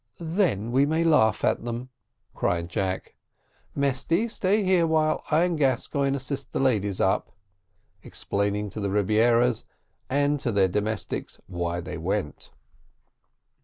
"Then we may laugh at them," cried Jack. "Mesty, stay here while I and Gascoigne assist the ladies up," explaining to the Rebieras and to their domestics why they went.